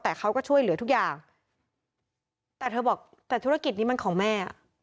แต่เขาก็ช่วยเหลือทุกอย่างแต่เธอบอกแต่ธุรกิจนี้มันของแม่อ่ะ